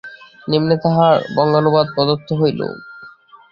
নিম্নে তাহার বঙ্গানুবাদ প্রদত্ত হইল।